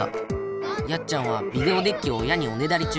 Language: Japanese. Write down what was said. やっちゃんはビデオデッキを親におねだり中。